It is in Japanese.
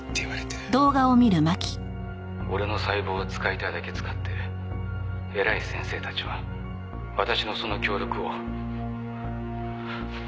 「俺の細胞を使いたいだけ使って偉い先生たちは私のその協力を抹消しようとしています」